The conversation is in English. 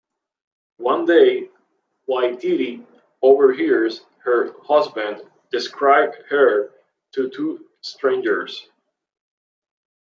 One day, Whaitiri overhears her husband describe her to two strangers.